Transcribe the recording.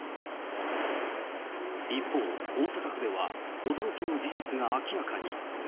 一方、大阪府では驚きの事実が明らかに。